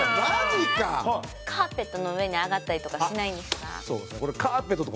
吉高：カーペットの上に上がったりとかしないんですか？